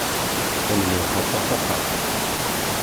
Tanemmirt aṭas aṭas.